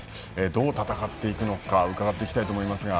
どう戦っていくか伺っていきたいと思います。